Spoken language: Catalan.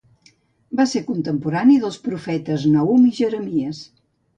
Va ser contemporani dels profetes Nahum i Jeremies.